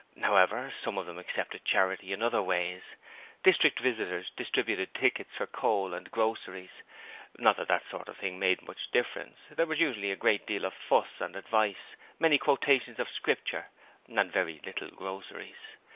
However, some of them accepted charity in other ways; district visitors distributed tickets for coal and groceries. Not that that sort of thing made much difference; there was usually a great deal of fuss and advice, many quotations of Scripture, and very little groceries.